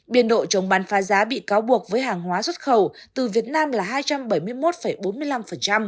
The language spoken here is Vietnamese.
biên độ chống bán phá giá bị cáo buộc với hàng hóa xuất khẩu từ việt nam là hai trăm bảy mươi một bốn mươi năm